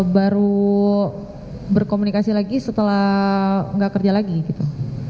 baru berkomunikasi lagi setelah nggak kerja lagi gitu